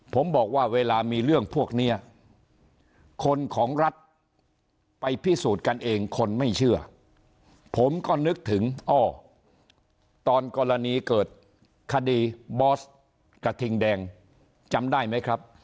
ผมบอกว่าเวลามีเรื่องพวกนี้คนของรัฐไปพิสูจน์กันเองคนไม่เชื่อผมก็นึกถึงอ้อตอนกรณีเกิดคดีบอสกระทิงแดงจำได้ไหมครับ